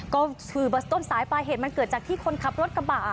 ก็คือต้นสายปลายเหตุมันเกิดจากที่คนขับรถกระบะ